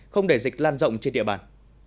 không để dịch lan rộng trên địa bàn